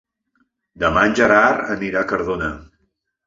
Demà en Gerard irà a Cardona.